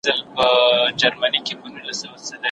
اقتصادي پرمختیا تر اقتصادي ودي پراخه مفهوم لري.